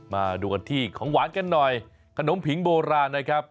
มาดูกันที่ของหวานกันหน่อยขนมผิงโบราณนะครับ